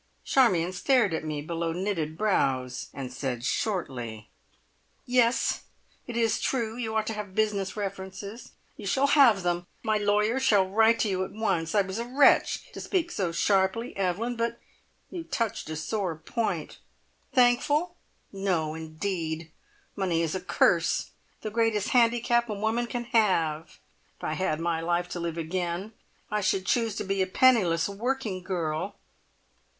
Charmion stared at me below knitted brows, and said shortly: "Yes, it is true. You ought to have business references. You shall have them! My lawyer shall write to you at once. I was a wretch to speak so sharply, Evelyn, but you touched a sore point! Thankful? No, indeed! Money is a curse. The greatest handicap a woman can have. If I had my life to live again, I should choose to be a penniless working girl!"